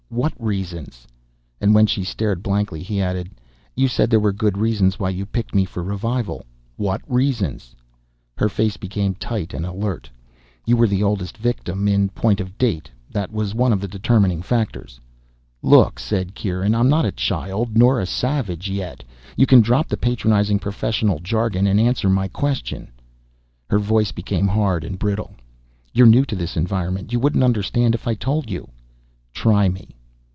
"What reasons?" And when she stared blankly, he added, "You said there were good reasons why you picked me for revival. What reasons?" Her face became tight and alert. "You were the oldest victim, in point of date. That was one of the determining factors " "Look," said Kieran. "I'm not a child, nor yet a savage. You can drop the patronizing professional jargon and answer my question." Her voice became hard and brittle. "You're new to this environment. You wouldn't understand if I told you." "Try me."